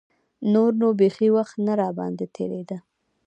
نور نو بيخي وخت نه راباندې تېرېده.